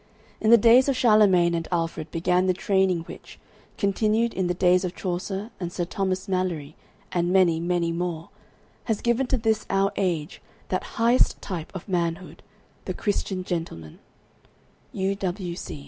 In the days of Charlemagne and Alfred began the training which, continued in the days of Chaucer and Sir Thomas Malory and many, many more, has given to this our age that highest type of manhood, the Christian gentleman. U.